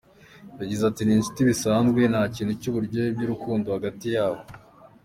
Yagize ati "Ni inshuti bisanzwe, nta kintu cy’uburyohe bw’urukundo hagati yabo.